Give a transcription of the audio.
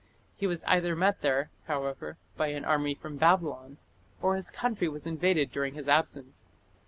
He was either met there, however, by an army from Babylon, or his country was invaded during his absence.